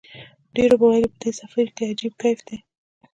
ډېرو به ویل په دې سفر کې عجیب کیف دی.